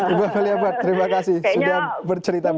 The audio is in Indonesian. ibu amalia barth terima kasih sudah bercerita banyak